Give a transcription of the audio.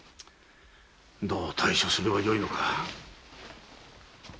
どう対処すればよいのか。